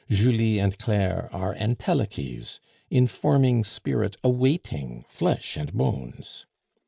Julie and Claire are entelechies informing spirit awaiting flesh and bones.